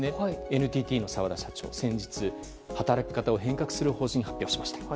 ＮＴＴの澤田社長、先日働き方を変革する方針を発表しました。